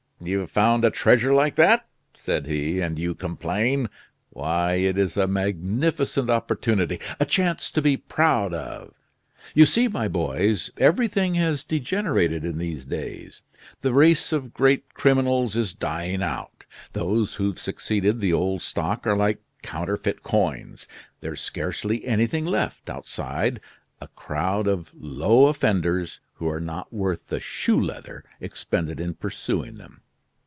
you have found a treasure like that," said he, "and you complain! Why, it is a magnificent opportunity a chance to be proud of! You see, my boys, everything has degenerated in these days. The race of great criminals is dying out those who've succeeded the old stock are like counterfeit coins. There's scarcely anything left outside a crowd of low offenders who are not worth the shoe leather expended in pursuing them.